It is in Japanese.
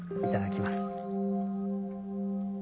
いただきます。